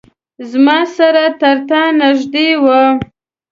زما سره ترتا نیژدې وه